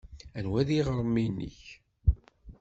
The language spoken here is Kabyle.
Anwa ay d iɣrem-nnek?